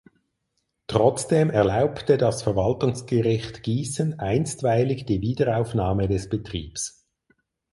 Trotzdem erlaubte das Verwaltungsgericht Gießen einstweilig die Wiederaufnahme des Betriebs.